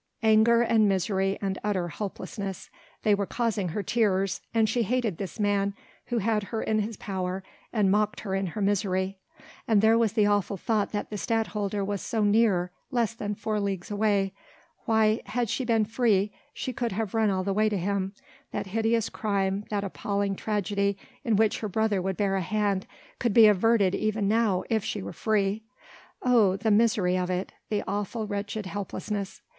Anger and misery and utter hopelessness! they were causing her tears, and she hated this man who had her in his power and mocked her in her misery: and there was the awful thought that the Stadtholder was so near less than four leagues away! Why! had she been free she could have run all the way to him that hideous crime, that appalling tragedy in which her brother would bear a hand, could be averted even now if she were free! Oh! the misery of it! the awful, wretched helplessness!